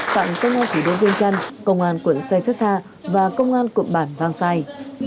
phạm công an thủ đô vương trăn công an quận sai sết tha và công an cộng bản vang sai